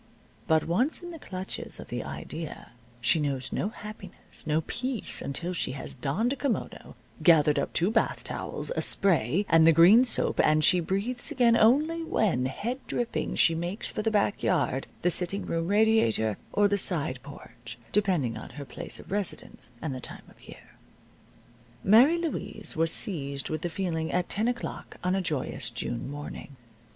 But once in the clutches of the idea she knows no happiness, no peace, until she has donned a kimono, gathered up two bath towels, a spray, and the green soap, and she breathes again only when, head dripping, she makes for the back yard, the sitting room radiator, or the side porch (depending on her place of residence, and the time of year). Mary Louise was seized with the feeling at ten o'clock on a joyous June morning.